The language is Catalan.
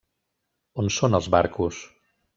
On són els barcos?